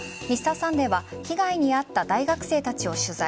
「Ｍｒ．サンデー」は被害に遭った大学生たちを取材。